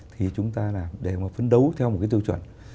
thì chúng ta làm để mà phấn đấu theo một cái tiêu chuẩn